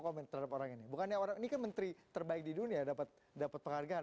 komen terhadap orang ini bukannya orang ini kan menteri terbaik di dunia dapat dapat penghargaan